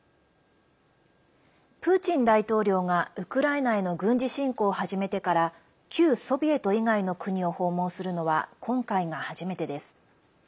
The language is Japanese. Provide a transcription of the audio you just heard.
プーチン大統領がウクライナへの軍事侵攻を始めてから旧ソビエト以外の国を訪問するのは今回が初めてです。